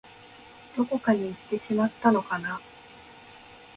どこかにいってしまったのかな